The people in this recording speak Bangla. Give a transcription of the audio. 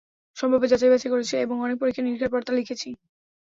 সম্ভাব্য যাচাই-বাছাই করেছি এবং অনেক পরীক্ষা-নিরীক্ষার পর তা লিখেছি।